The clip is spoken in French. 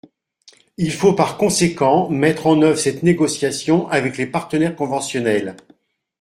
Il faut par conséquent mettre en œuvre cette négociation avec les partenaires conventionnels.